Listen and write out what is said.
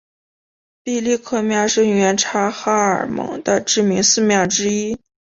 毕力克庙是原察哈尔盟的知名寺庙之一。